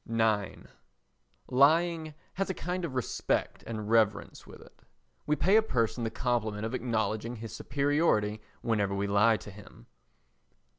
ix Lying has a kind of respect and reverence with it. We pay a person the compliment of acknowledging his superiority whenever we lie to him.